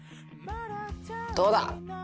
どうだ！